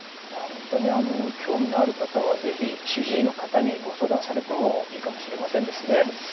いや本当にあの興味のある方は是非主治医の方にご相談されてもいいかもしれませんですね。